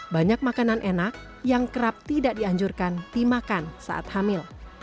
banyak makanan enak yang kerap tidak dianjurkan dimakan saat hamil